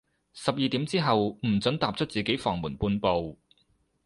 十二點之後，唔准踏出自己房門半步